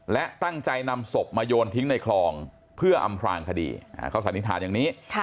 และตั้งใจนำศพมาโยนทิ้งในคลองเพื่ออำพลางคดีเขาสันนิษฐานอย่างนี้